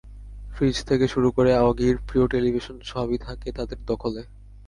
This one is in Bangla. ফ্রিজ থেকে শুরু করে অগির প্রিয় টেলিভিশন, সবই থাকে তাদের দখলে।